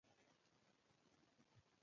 نجلۍ په سره کمیس کې ژړل.